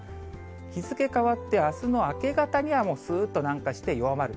日付変わって、あすの明け方には、もうすーっと南下して、弱まる。